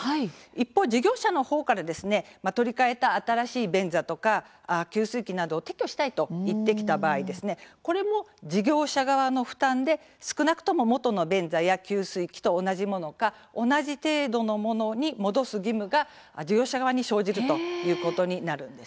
一方、事業者のほうから取り替えた新しい便座や給水器などを撤去したいと言ってきた場合はこれも事業者側の負担で少なくとも元の便座や給水器と同じものか、同じ程度のものに戻す義務が事業者側に生じるということになるんです。